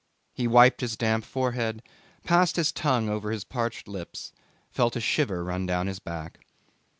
He wiped his damp forehead, passed his tongue over parched lips, felt a shiver run down his back.